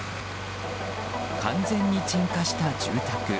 完全に鎮火した住宅。